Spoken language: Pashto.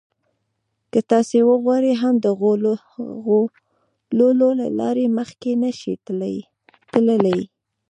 که تاسې وغواړئ هم د غولولو له لارې مخکې نه شئ تللای.